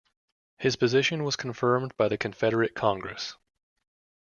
His position was confirmed by the Confederate Congress.